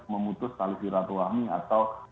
memutuskan alih zirat wangi atau